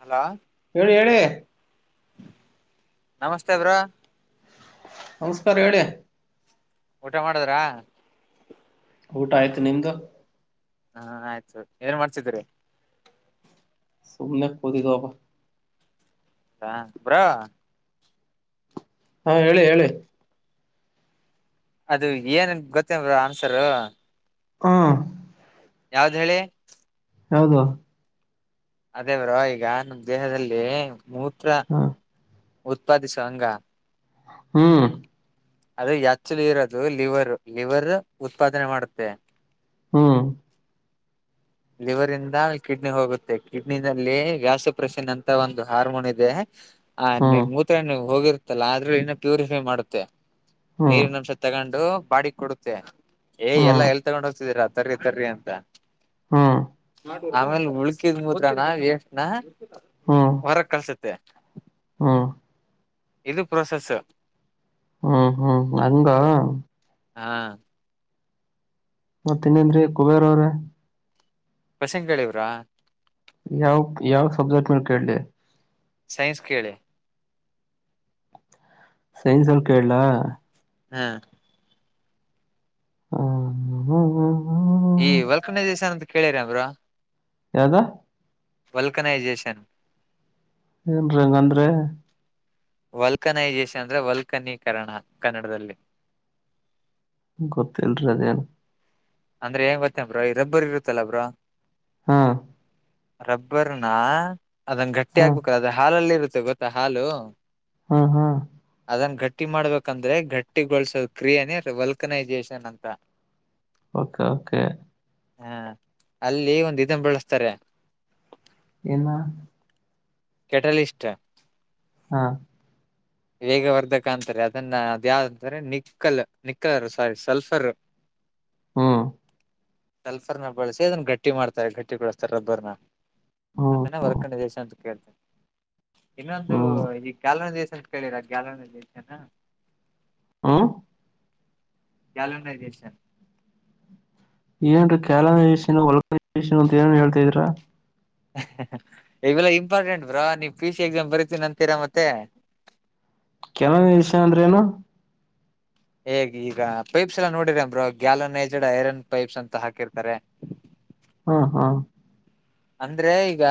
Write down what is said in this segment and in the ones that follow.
Hello ಹೇಳ ಹೇಳಡೆ ನಮಸ್ತೆ ಬ್ರೋ ನಮಸ್ಕಾರ ಹೇಳಿ ಊಟ ಮಾಡುದ್ರಾ ಊಟ ಆಯ್ತು ನಿಮ್ದ ಹಾ ಆಯ್ತು ಏನ್ ಮಾಡ್ಸಿದ್ದೀರಿ ಸುಮನೆ ಕೊದಗಬ ಹಾ ಬ್ರೋ ಹಾ ಹೇಳಿ ಹೇಳಿ ಅದು ಏನ್ ಗೊತ್ತೇನ್ ಆನ್ಸರು ಹಾ ಯಾವ್ದ್ ಹೇಳಿ ಯಾವುದು ಅದೇ ಬ್ರೋ ಈಗ ನಮ್ಮ ದೇಹದಲ್ಲಿ ಮೂತ್ರ ಹಾ ಉತ್ಪಾದಿಸುವಂಗ ಹ್ಮ್ ಅದು ಎಚ್ಚಲು ಇರೋದು ಲಿವರ್ ಲಿವರ್ ಉತ್ಪಾದನೆ ಮಾಡುತ್ತೆ ಹಾ ಲಿವರಿಂದ ಕಿಡ್ನಿ ಹೋಗುತ್ತೆ ಕಿಡ್ನಿನಲ್ಲಿ ಗ್ಯಾಸುಪ್ರೆಶನ್ ಅಂತ ಒಂದು ಹಾರ್ಮೋನ್ ಇದೆ ಹಾ ಹ್ಮ್ ನಿಮ್ ಮೂತ್ರ ಏನು ಹೋಗಿರತ್ತಲ್ಲ ಆದ್ರೂ ಇನ್ನ ಪ್ಯೂರಿಫೈ ಮಾಡುತ್ತೆ. ಹ್ಮ್ ಹ್ಮ್ ನೀರಿನಂಶ ತಗೊಂಡು ಬಾಡಿಗೆ ಕೊಡುತ್ತೆ. ಏ ಎಲ್ಲ ಹ್ಮ್ ಎಲ್ ತಗೊಂಡ್ ಹೋಗ್ತಿದ್ದೀರಾ. ತರ್ರಿ ತರ್ರಿ ಅಂತ. ಆಮೇಲೆ ಉಳ್ಕಿದ್ ಮೂತ್ರಾನ ವೇಸ್ಟ್ ನಾ ಹ್ಮ್ ಹ್ಮ್ ಹೊರಗ್ ಕಳ್ಸುತ್ತೆ. ಹ್ಮ್ ಇದು ಪ್ರೊಸೆಸ್. ಹ್ಮ್ ಹಂಗಾ. ಹಾ. ಮತ್ತ ಇನ್ನೇನ್ರಿ ಕುಬೇರ ಅವ್ರೆ. [unintelligible] ಯಾವ್ ಯಾವ್ ಸಬ್ಜೆಕ್ಟ್ ಮೇಲ್ ಕೇಳ್ಲಿ. ಸೈನ್ಸ್ ಕೇಳಿ. ಸೈನ್ಸಲ್ ಕೇಳ್ಲಾ. ಹಾ. ಹ್ಮ್ ಹ್ಮ್ ಹ್ಮ್ ಹ್ಮ್. ಈ ವಲ್ಕನೈಸೇಶನ್ ಅಂತ ಕೇಳಿರ್ಯಾ ಬ್ರೋ. ಯಾವ್ದು. ವೆಲ್ಕನೈಜೇಷನ್. ಏನ್ರಿ ಹಂಗಂದ್ರೆ. ವಲ್ಕನೈಜೇಷನ್ ಅಂದ್ರೆ ವಲ್ಕನೀಕರಣ ಕನ್ನಡದಲ್ಲಿ. ಗೊತ್ತಿಲ್ರಿ ಅದೇನು. ಅಂದ್ರೆ ಏನ್ ಗೊತ್ತಾ ಬ್ರೋ ಈ ರಬ್ಬರ್ ಇರುತ್ತಲ್ಲಾ ಬ್ರೋ. ಹಾ. ರಬ್ಬರ್ನ ಅದನ್ ಗಟ್ಟಿ ಹಾ ಆಗ್ಬೇಕ್ರ ಅದ ಹಾಲಲ್ಲಿ ಇರುತ್ತೆ ಗೊತ್ತಾ ಹಾಲು. ಹಾ ಹಾ. ಅದನ್ನ ಗಟ್ಟಿ ಮಾಡ್ಬೇಕಂದ್ರೆ ಗಟ್ಟಿಗೊಳ್ಸೊ ಕ್ರಿಯೆನೇ ವಲ್ಕನೈಜೇಷನ್ ಅಂತ. ಓಕೆ. ಹಾ ಅಲ್ಲಿ ಒಂದು ಇದನ್ ಬಳಸ್ತಾರೆ. ಏನ್ನಾ. ಕೆಟಲಿಸ್ಟ್. ಹಾ. [inaudible] ವೇಗವರ್ಧಕ ಅಂತಾರೆ ಅದನ್ನ ಅದ ಯಾವ್ದ ಅಂದ್ರ ನಿಕ್ಕಲ್ ನಿಕ್ಕರ್ ಸಾರಿ ಸಲ್ಫರ್. [inaudible] ಹ್ಮ್. ಸಲ್ಫರ್ನ ಬಳಸಿ ಅದನ್ನ ಗಟ್ಟಿ ಮಾಡ್ತಾರೆ ಗಟ್ಟಿ ಗೊಳಿಸ್ತಾರೆ ರಬ್ಬರ್ನ. ಹ್ಮ್ ಅದನ್ನ ವಲ್ಕನೈಜೇಷನ್ ಅಂತ ಹೇಳ್ತಾರೆ. ಇನ್ನೊಂದು ಹ್ಮ್ ಈ ಗ್ಯಾಲೋನೈಜೇಷನ್ ಅಂತ ಕೇಳಿರ ಗ್ಯಾಲೋನೈಜೇಷನ್. ಮ್ಮ್. ಗ್ಯಾಲೋನೈಜೇಷನ್. ಏನ್ರಿ ಗ್ಯಾಲೋನೈಜೇಷನ್ ವಲ್ಕನೈಜೇಷನ್ ಅಂತ ಏನೇನೋ ಹೇಳ್ತಾ ಇದ್ದೀರಾ. ಇವೆಲ್ಲಾ ಇಂಪಾರ್ಟೆಂಟ್ ಬ್ರೋ ನೀವ್ ಪಿ ಸಿ ಎಕ್ಸಾಮ್ ಬರಿತೀನಿ ಅಂತೀರಾ ಮತ್ತೆ. [inaudible] ಗ್ಯಾಲೊನೈಜೇಷನ್ ಅಂದ್ರೆ ಏನು. ಹೇ ಈಗ ಪೈಪ್ಸ್ ಎಲ್ಲ ನೋಡಿರಲ್ಲ ಬ್ರೋ ಗ್ಯಾಲನೈಜಡ್ ಐರನ್ ಪೈಪ್ಸ್ ಅಂತ ಹಾಕಿರ್ತಾರೆ. ಹ್ಮ್ ಹ್ಮ್. ಅಂದ್ರೆ ಈಗ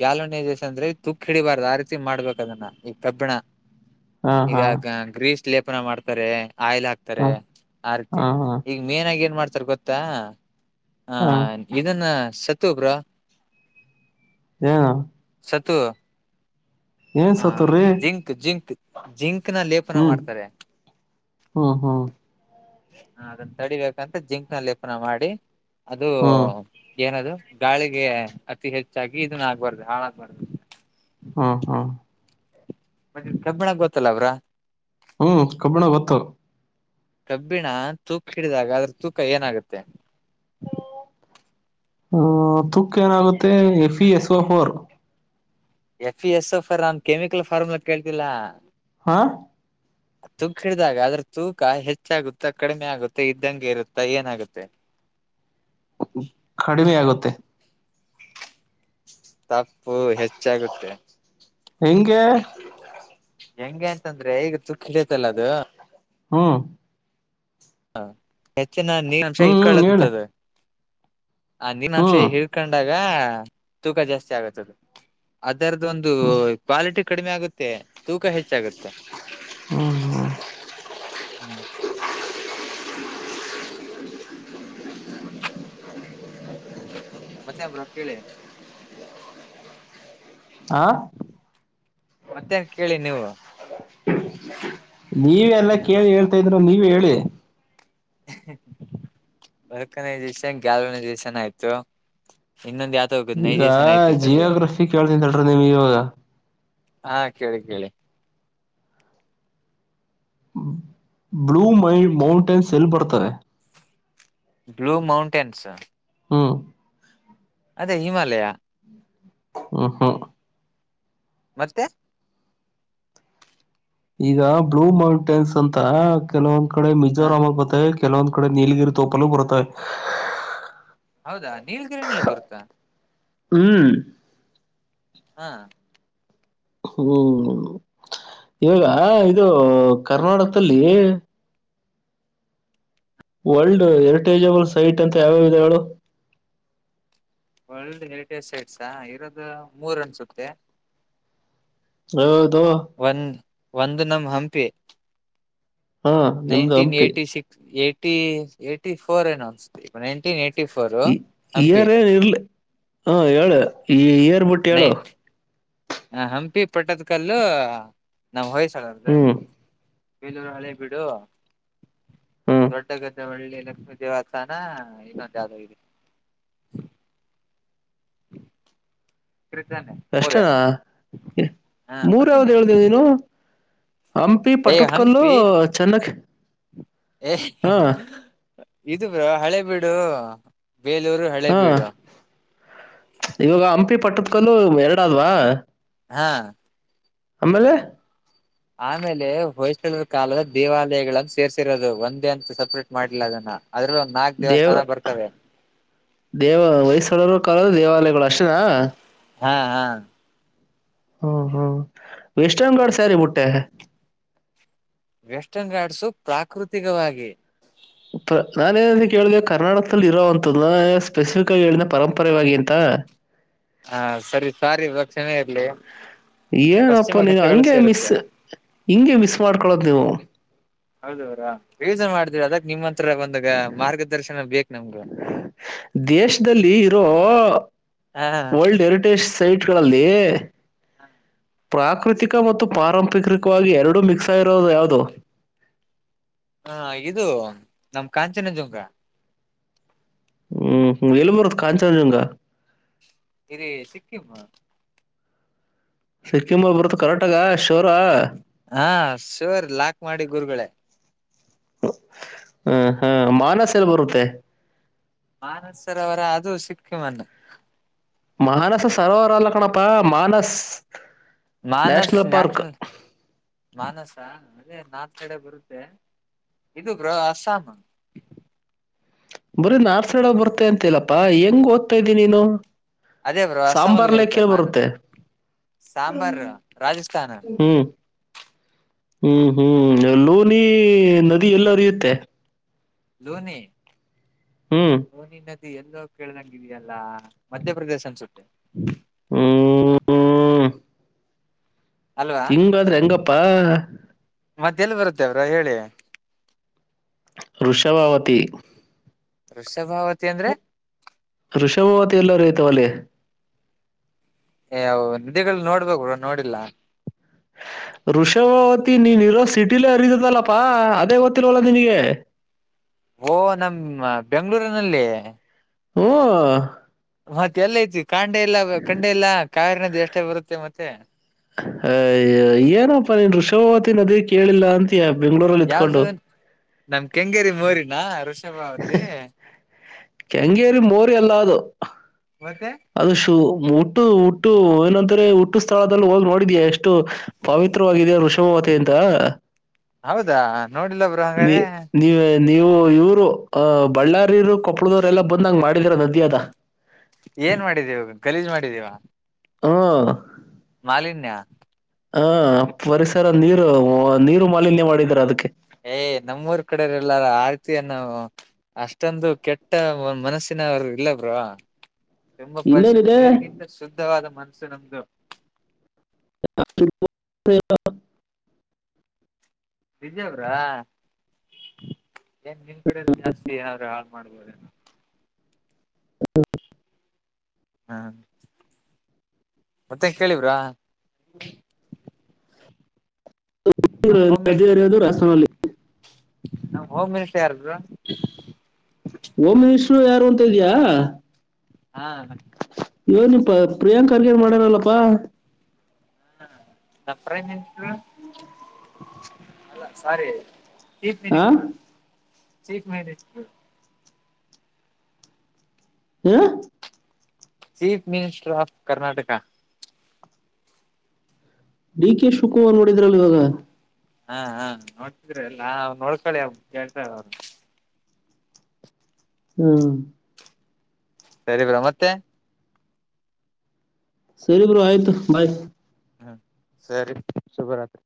ಗ್ಯಾಲೋನೈಜೇಷನ್ ಅಂದ್ರೆ ತುಕ್ ಹಿಡಿಬಾರ್ದು ಆ ರೀತಿ ಮಾಡ್ಬೇಕ್ ಅದನ್ನ ಈಗ ಕಬ್ಬಿಣ. ಹಾ ಈಗ ಹಾ ಗ್ ಗ್ರೀಸ್ ಲೇಪನ ಮಾಡ್ತಾರೆ. ಆಯಿಲ್ ಹಾಕ್ತಾರೆ ಆ ರೀತಿ ಹಾ ಹಾ ಹಾ ಈಗ ಮೇನ್ಆಗಿ ಏನ್ ಮಾಡ್ತಾರೆ ಗೊತ್ತಾ. ಆ ಹಾ ಇದನ್ನ ಸತು ಬ್ರೋ. ಏನು ಸತ್ತು ಹಾ ಸತ್ತವ್ರಿ ಜಿಂಕ್ ಜಿಂಕ್ ಜಿಂಕ್ನ ಲೇಪನ ಮಾಡ್ತಾರೆ ಹ್ಮ ಹ್ಮ ಹ ಅದನ್ನ ತಡಿಬೇಕಂತ ಜಿಂಕ್ನ ಲೇಪನ ಮಾಡಿ ಅದು ಹ್ಮ್ ಏನದು ಗಾಳಿಗೆ ಅತಿ ಹೆಚ್ಚಾಗಿ ಇದನ್ನ ಆಕಬಾರದು ಹಾಳಾಗಬಾರ್ದು ಹಾ ಹಾ ಮತ್ತೆ ಕಬ್ಬಿಣ ಗೊತ್ತಲ್ಲ ಬ್ರೋ ಹ್ಮ್ ಕಬ್ಬಿಣ ಗೊತ್ತು ಕಬ್ಬಿಣ ತುಕ್ಕು ಹಿಡಿದಾಗ ಅದ್ರ ತೂಕ ಏನಾಗುತ್ತೆ ಹ್ಮ ತುಕ್ ಏನಾಗುತ್ತೆ F E S O four F E S O four ನಾನನ್ ಕೆಮಿಕಲ್ ಫಾರ್ಮ್ ಕೇಳ್ತಿಲ್ಲಾ ಹಾ ತುಕ್ ಹಿಡಿದಾಗ ಅದ್ರ ತೂಕ ಹೆಚ್ಚಾಗುತ್ತ ಕಡಿಮೆ ಆಗುತ್ತ ಇದ್ದಂಗೆ ಇರುತ್ತ ಏನಾಗುತ್ತೆ [inaudible] ಕಡಿಮೆ ಆಗುತ್ತೆ ತಪ್ಪು ಹೆಚ್ಚಾಗುತ್ತೆ ಹೆಂಗೆ ಹೆಂಗೆ ಅಂತಂದ್ರೆ ಈಗ ತುಕ್ಕು ಹಿಡಿಯತಲ್ಲ ಅದು ಹ್ಮ ಹ ಹೆಚ್ಚಿನ ನೀರು ಅಂಷ ಹ್ಮ್ ಹ್ಮ್ ಹೇಳಿ ಇರುಕೊಳ್ಳಂತದ ಆ ನೀರಿನ ಅಂಶ ಹ್ಮ್ ಹಿಡ್ಕೊಂಡಾಗ ತೂಕ ಜಾಸ್ತಿ ಆಗತ್ತದು ಅ ಅದರದ ಒಂದು ಹ್ಮ್. ಕ್ವಾಲಿಟಿ ಕಡಿಮೆ ಆಗುತ್ತೆ ತೂಕ ಹೆಚ್ಚಾಗುತ್ತೆ ಹ್ಮ್ ಮತ್ತೆ ಬ್ರೋ ಕೇಳಿ ಆ ಮತ್ತೇನ್ ಕೇಳಿ ನೀವು ನೀವ ಎಲ್ಲ ಕೇಳಿ ಹೇಳ್ತಾ ಇದ್ದೀರಾ ನೀವೆ ಹೇಳಿ ವರ್ಕನೈಜೇಷನ್ ಗಲನೈಜೇಷನ್ ಆಯ್ತು ಇನ್ನೊಂದ್ ಯಾವ್ದ ಹೋಗುದು ಈಗ ನೈಜೇಷನ್ ಐತಿ ತಡ್ರಿ ಜಿಯೋಗ್ರಫಿ [unintelligible] ನಿಮ್ಗೆ ಇವಾಗ ಹಾ ಕೇಳಿ ಕೇಳಿ ಬ್ಲೂ ಮೈ ಮೌಂಟೆನ್ಸ್ ಎಲ್ಲಿ ಬರ್ತಾರೆ ಬ್ಲೂ ಮೌಂಟೇನ್ಸ್ ಹಾಂ ಅದೇ ಹಿಮಾಲಯ ಹ ಹಾ ಮತ್ತೆ ಈಗ ಬ್ಲೂ ಮೌಂಟೇನ್ಸ್ ಅಂತ ಕೆಲವೊಂದ್ ಕಡೆ ಮಿಜೋರಾಮ್ ಆಗ್ಬತ್ತೆ ಕೆಲವೊಂದ್ ಕಡೆ ನೀಲಗಿರಿ ತೋಪಲು ಬರ್ತವೆ ಹೌದಾ ನೀಲಗಿರಿನಲ್ಲಿ ಬರುತ್ತಾ ಹ್ಮ್ ಹಾ ಹ್ಮ್ ಈವಾಗ ಇದು ಕರ್ನಾಟಕದಲ್ಲಿ ವರ್ಲ್ಡ್ ಹೆರಿಟೇಜಬಲ್ ಸೈಟ್ ಅಂತ ಯಾವ್ಯವು ಇದೆ ಹೇಳು ವರ್ಲ್ಡ್ ಹೆರಿಟೇಜ್ ಸೈಟ್ಸ ಇರೋದು ಮೂರ್ ಅನ್ಸುತ್ತೆ ಹ ಒಂದ್ ಒಂದು ನಮ್ ಹಂಪಿ ಹಾ ನಿಮ್ದು nineteen Hampi eighty six eighty eighty four ಏನೋ ಅನಿಸುತ್ತೆ ಇಯರ್ ಏನು ಇರ್ಲಿ ಹ ಹೇಳು ಈ ಇಯರ್ ಬಿಟ್ಟು ಹೇಳು ಹ ಹಂಪಿ ಪಟ್ಟದ್ ಕಲ್ಲು ನಾವ್ ಹೊಯ್ಸಳಾರ್ದು ಹ್ಮ್ ಬೇಲೂರು ಹಳೆ ಬಿಡು ಹ್ಮ್ ದೊಡ್ಡ ಗದ್ದೆ ಮಳ್ಳಿ ಲಕ್ಷ್ಮೀ ದೇವಸ್ಥಾನ ಇನ್ನೊಂದು ಯ್ದ ಇದೆ ಕೃತಾನೆ ಮೂರೇ ಅಷ್ಟನಾ ಹಾ ಮೂರ ಯಾವ್ದ ಹೇಳ್ದೇವ ಮತ್ತಿನ್ಯಾವ್ದು ನೀನು ಹಂಪಿ, ಏ ಪಟ್ಟದಕಲ್ಲು, ಹಂಪಿ ಚೆನ್ನಕ್ ಹಾ, ಇದು ಬ್ರ ಹಳೆ ಬಿೀಡು ಹಾ ಇವಾಗ ಹಂಪಿ ಪಟ್ಟದ ಕಲ್ಲು ಎರಡ ಆದ್ವಾ ಹಾ ಅಮೇಲೆ ಆಮೇಲೆ ಹೊೋಯ್ಸ್ಳದ ಕಾಲದ ದೇವಾಲಯಗಳನ್ನು ಸೇರ್ಸಿರೋದು ಒಂದೇ ಅಂತ ಟ್ ಮಾಡಲಿಲ್ಲ ಅದನ್ನ ಅದ್ರಲ್ಲಿ ಒಂದು ನಾಕಕ್ ದೇವ ದೇವಸ್ಥಾನ ಬರ್ತವೆ ದೇವ ವಯಸ್ಸಳೋರ ಕಾಲದ ದೇವಾಲಯಗಳು ಅಷ್ಟೇನಾ ಹಾ ಹಾ ಹ್ಮ ಹ್ಮ್ ವಷಗಢ ಸಾರಿ ಬುಟ್ಟೆ ವೆಸ್ಟರ್ನ್ ರಾಡ್ಸು ಪ್ರಾಕೃತಿಕವಾಗಿ ನಾನೇಏನ ಕೇಳಿದೆ ಕರ್ನಾಟಕದಲ್ಲಿ ಇರೋ ಅಂತದ ಸ್ಪೆಸಿಫಿಕ್ ಆಗಿ ಹೇಳನ ಪರಂಪರೆವಾಗಿ ಎಂತ ಹಾ ಸರಿ ಸಾರಿ ಇವ ಕ್ಷಣೇ ಇರ್ಲಿ ಏನಪ್ಪಾ ಪಶ್ಚಿಮ ನೀನು ಘಟ್ಟಗಳು ಹಂಗೆ ಮಿಸ್ ಸೇರುತ್ತೆ ಹಿಂಗಗೆ ಮಿಸ್ ಮಾಡ್ಕೊಳೋದ್ ನೀವು ಹೌದ್ರಾ ಯಜನ್ ಮಾಡ್ದರ ಅದಕ್ ನಿಮ್ಮ ಹತ್ರ ಬಂದಾಗ ಮಾರ್ಗದರ್ಶನ ಬೇಕಕ್ ನಮ್ಗ ದೇಶದಲ್ಲಿ ಇರೋ ಹ ವರ್ಲ್ಡ್ ಹೆರಿಟೇಜ್ ಸೈಟ್ಗಳಲ್ಲಿ ಪ್ರಾಕೃತಿಕ ಮತ್ತು ಪಾರಂಪರಿಕವಾಗಿ ಎರಡೂ ಮಿಕ್ಸ್ ಆಗಿರೋದು ಯಾವು್ದದು ಹಾ ಇದು ನಮ್ ಕಾಂಚನಜುಂಗ ಹ್ಮ್ ಎಲಪುರ ಕಾಂಚಗಂಗಾ ಇ ಸಿಕ್ಕಿಮ ಸಿಕ್ಕಿಮ ಬರುತ್ತ ಕರ್ನಾಟಕ ಶೋರ ಹಾ ಶುವರ್ ಲಾಕ್ ಮಾಡಿ ಗುರುಗಳೇ ಹ್ಮ ಹಾ ಮಾನಸ ಎಲ್ಲ ಬರುತ್ತೆ ಮಾನಸರವರ ಅದು ಸಿಕ್ಕಮನ್ನ ಮಾನಸ ಸರೋವರಲ್ಲ ಕಣಪ್ಪಾ ಮಾನಸ್ ಮಾನಸ್ ನ್ಯಾಷನಲ್ ಮಾನಸ್ ಅದೇ ನಾಲ್ ಕಡೆ ಬರುತ್ತೆ ಇದು ಬ್ರೋ ಅಸ್ಸಾಮ ಬರೀ ನಾಡ್ ಸೈಡ ಬರ್ತ ಅಂತಿಲ್ಲಪ್ಪಾ ಹೆಂಗ್ ಓದ್ತಾ ಇದ್ದಿ ನೀನು ಅದೇ ಬ್ರೋ ಅಸ್ಸಾಮಲ್ಲಿ ಸಾಂಬಾರ್ ಲೇಕ್ ಬರುತ್ತೆ ಎಲ್ಲಿ ಮಾನಸ ಸಾಂಬಾರ್ ರಾಜಸ್ಥಾನ ಹ್ಮ್ ಹ್ಮ್ ಹ್ಮ್ ಏಲೋನಿ ನದಿ ಎಲ್ಲ ಹರಿಯುತ್ತೆ ಧೋನಿ ಹ್ಮ್ ರೋನಿ ನದಿ ಎಲ್ಲೋ ಕೇಳ್ದಂಗಿದೆಯಲ್ಲಾ ಮಧ್ಯಪ್ರದೇಶ ಅನ್ಸುತ್ತೆ ಹ್ಮ ಅಲ್ವಾ ಹಿಂಗಾದ್ರೆ ಹೆಂಗಪ್ಪ ಮತ್ತೆಲ್ಲಿ ಬರುತ್ತೆ ಅವ್ರ ಹೇಳಿ ಋಷಭಾವತಿ ವೃಷಭಾವತಿ ಅಂದ್ರೆ ಋಷಭಾವತಿ ಎಲ್ಲರೂ ಐತವಲ್ಲೇ ಏ ನಧಿಗಳು ನೋಡ್ಬೇಕ ನೋಡಿಲ್ಲ ಋಷಭಾವತಿ ನೀನ್ ಇರೋ ಸಿಟಿಲ ಅರಿದದಲ್ಲಪ್ಪಾ ಅದೇ ಗೊತ್ತಿಲ್ವಲ್ಲ ನಿನಗೆ ಓ ನಮ್ಮ ಬೆಂಗಗಳೂರಿನಲ್ಲಿ ಹ್ಮ ಮತ್ತೆ ಎಲ್ಲ ಐತಿ ಕಾಂಡೆ ಇಲ್ಲ ಕಂಡೆ ಇಲ್ಲಾ ಕಾವರಿನ್ದ ಎಷ್ಟೇ ಬರುತ್ತೆ ಮತ್ತೆ ಅ ಏನಪ್ಪಾ ನೀನ್ ಋಷಭಾವತಿ ನದಿ ಕೇಳಿಲ್ಲ ಅಂತಯ ಬೆಂಗ್ಳೂರಲ್ಲಿ ಯಾವ್ದು ಇತ್ಕೊಂಡು ನಮ್ ಕೆಂಗೇರಿ ಮೋರಿನಾ ಷಭಾವತಿ ಕೆಂಗೇರಿ ಮೋರಿ ಎಲ್ಲ ಅದು ಮತ್ತೆ ಅದು ಶು ಮು ಹಟ್ಟು ಹುಟ್ಟು ಏನಂದ್ರೆ ಹುಟ್ಟು ಸ್ಥಳದಲ್ಲಿ ಹೋದ್ ನೋಡಿದ್ಯಾ ಎಷ್ಟು ಎಷ್ಟು ಪಾವತ್ರವಾಗಿದೆಯ ಋಷಭಾವತ ಇಂದ ಹಾ ನೋಡಿಲ್ಲ ಬರು ಹಂಗಾರೆ ನೀವು ಇವ್ರು ಅ ಬಳ್ಳಾರಿಯವರು ಕೊಪ್ಪಳದವರು ಎಲ್ಲ ಬಂದಂಗ ಮಾಡಿದರ ನದಿ ಅದ ಏನ್ ಮಾಡಿದೀವ ಲೀಜ್ ಮಾಡಿದೀವ ಹ್ಮ ಮಾಲಿನ್ಯ ಹ ಪರಿಸರ ನೀರು ನೀರು ಮಾಲಿನ್ಯ ಮಾಡಿದಾರ ಅದಕ್ಕೆ ಏಯ್ ನಮ್ಮೂರ್ ಕಡೆರೆ ಎಲ್ಲಾರ ಆ ರೀತಿಯನ್ನು ಅಷ್ಟೊಂದು ಕೆಟ್ಟ ಮನಸ್ಸಿನ ಅವರು ಇಲ್ಲ ಬ್ರ ತುಂಬಾ ಪರಿಸಶ ಇನ್ನೇನಿದೆ ನೀರಿಗಿಂತ ಶುದ್ಧವಾದ ಮನಸು ನಮ್ದು [inaudible] ಬಿಜ ಅವ್ರ ಏನ್ ನಿನ್ ಕಡದು ಜಾಸ್ತಿ ಏನ್ರ ಮಾಡ್ಬೋದ ಹ ಹ್ಮ್ ಮತ್ತೆ ಕೇಳಿವ್ರಾ ನದಿ ಮಿನಿಸ್ಟರ್ ಹರಿಯುವದು ರಸ್ಥಾನಲ್ಲಿ ನಮ್ ಹೋಗ್ ಮಲ್ಸ ಯಾರದ ಓಮ ವಿಷರು ಯಾರುಂತಿಯಾ ಹಾ ಇವ ನಿ ಪ ಪ್ರಿಯಾಂಕ ಅರ್ಗೇನ್ ಮಾಡ್ಯಾರಲ್ಲಪ್ಪಾ ಹಾಪ ಅಲ್ಲ ಸಾರಿ ಚ ಮಿನ ಆ ಚ ಮಿನ ಹ್ಮ chief minister of Karnataka D K Shivakumar ನೋಡಿದ್ರಲ್ ಇವಾಗ ಹಾ ಹಾ ನೋಡ್ತಿದ್ರಿ ಎಲ್ಲಾ ಅವರು ನೋಡ್ಕಳಿ ಅವ ಕೇಳ್ತ ಅವ್ರು ಹ್ಮ ಸರಿಬ್ರಾ ಮತ್ತೆ ಸರಿ ಬ್ರೂ ಆಯ್ತು ಬಾಯ್ ಹ್ಮ ಸರಿ ಶುಭರಾತ್ರಿ